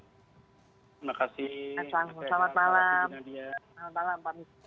terima kasih selamat malam